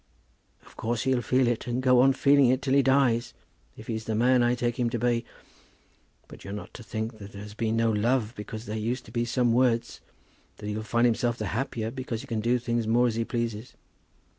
"Of course he'll feel it, and go on feeling it till he dies, if he's the man I take him to be. You're not to think that there has been no love because there used to be some words, that he'll find himself the happier because he can do things more as he pleases.